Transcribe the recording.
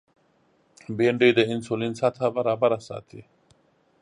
بېنډۍ د انسولین سطحه برابره ساتي